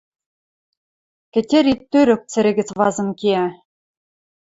Кӹтьӹри тӧрӧк цӹре гӹц вазын кеӓ.